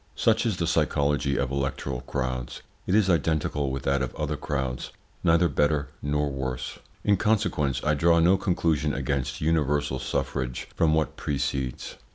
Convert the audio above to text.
Such is the psychology of electoral crowds. It is identical with that of other crowds: neither better nor worse. In consequence I draw no conclusion against universal suffrage from what precedes.